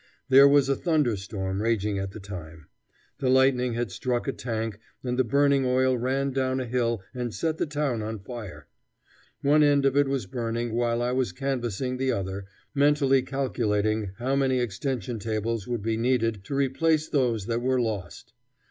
There was a thunder storm raging at the time. The lightning had struck a tank, and the burning oil ran down a hill and set the town on fire. One end of it was burning while I was canvassing the other, mentally calculating how many extension tables would be needed to replace those that were lost.